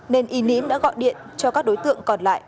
nên y ním đã gọi điện cho các đối tượng còn lại